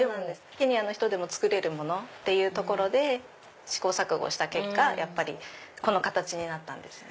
ケニアの人でも作れるものっていうところで試行錯誤した結果やっぱりこの形になったんですよ。